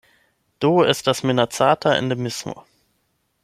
Do estas minacata endemismo.